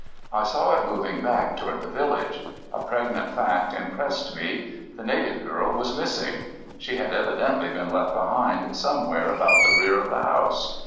I saw it moving back toward the village. A pregnant fact impressed me. The native girl was missing. She had evidently been left behind somewhere about the rear of the house.